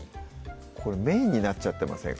これメインになっちゃってませんか？